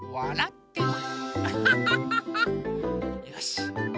よし！